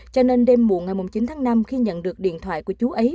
cho nên đêm muộn ngày chín tháng năm khi nhận được điện thoại của chú ấy